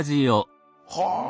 はあ。